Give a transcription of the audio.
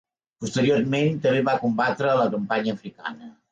Posteriorment també va combatre a la campanya africana.